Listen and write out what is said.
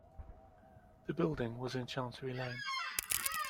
The building was in Chancery Lane.